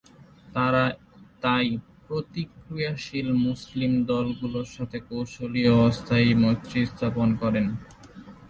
তারা তাই প্রতিক্রিয়াশীল মুসলিম দলগুলোর সাথে কৌশলী ও অস্থায়ী মৈত্রী স্থাপন করেন।